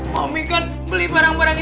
kami kan beli barang barangnya